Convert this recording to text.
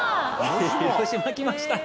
広島来ましたね。